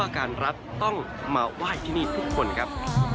การรัฐต้องมาไหว้ที่นี่ทุกคนครับ